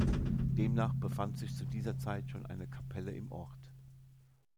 Demnach befand sich zu dieser Zeit schon eine Kapelle im Ort.